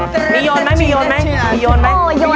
เธอทำอะไรอ่ะ